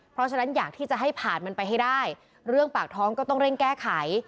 เพราะฉะนั้นอยากที่จะให้ผ่านมันไปให้ได้เรื่องปากท้องก็ต้องเร่งแก้ไข